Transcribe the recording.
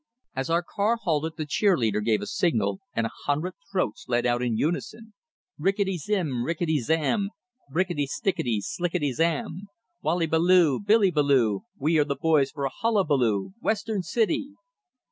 As our car halted, the cheer leader gave a signal, and a hundred throats let out in unison: "Rickety zim, rickety zam, Brickety, stickety, slickety slam! Wallybaloo! Billybazoo! We are the boys for a hullabaloo Western City!"